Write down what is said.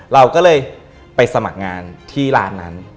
เราก็เลยไปสมัครงานที่ร้านนั้น